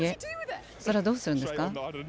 それはどうするんですか？